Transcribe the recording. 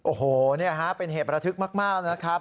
โอ้โหนี่ฮะเป็นเหตุประทึกมากนะครับ